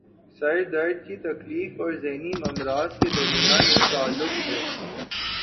سر درد کی تکلیف اور ذہنی امراض کے درمیان ایک تعلق ہے